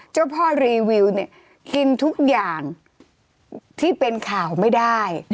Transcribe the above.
เจ้าพ่อรีวิวเนี่ยกินทุกอย่างที่เป็นข่าวไม่ได้